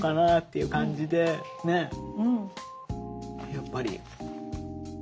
やっぱり。